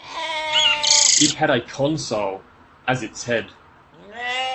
It had a consul as its head.